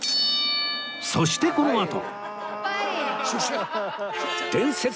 そしてこのあと